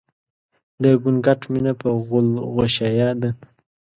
د ګونګټ مينه په غول غوشايه ده